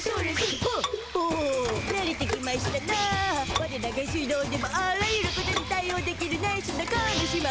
ワレら下水道でもあらゆることに対おうできるナイスな亀姉妹！